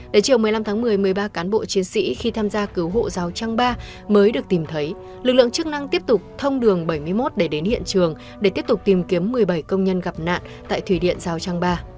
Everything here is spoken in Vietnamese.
đến chiều một mươi năm tháng một mươi một mươi ba cán bộ chiến sĩ khi tham gia cứu hộ giao trang ba mới được tìm thấy lực lượng chức năng tiếp tục thông đường bảy mươi một để đến hiện trường để tiếp tục tìm kiếm một mươi bảy công nhân gặp nạn tại thủy điện giao trang ba